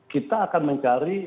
kita akan mencari